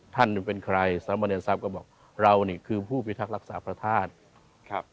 ท่านเป็นใครสำเนียนทรัพย์ก็บอกเราเนี่ยคือผู้พิทักษ์รักษาพระธาตุ